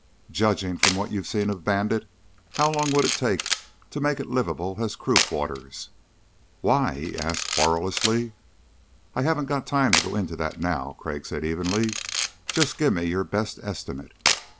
"Judging from what you've seen of Bandit, how long would it take to make it livable as crew quarters?" "Why?" he asked querulously. "I haven't time to go into that now," Crag said evenly. "Just give me your best estimate."